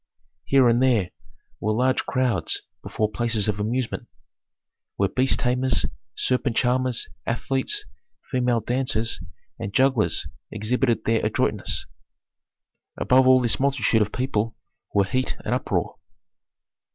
Here and there were large crowds before places of amusement, where beast tamers, serpent charmers, athletes, female dancers, and jugglers exhibited their adroitness. Above all this multitude of people were heat and uproar.